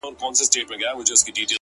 درد زغمي ـ